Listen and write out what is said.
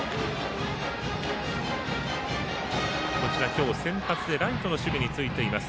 今日、先発でライトの守備についています